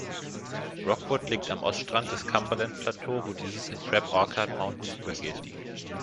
Rockwood liegt am Ostrand des Cumberland Plateau, wo dieses in Crab Orchard Mountains übergeht.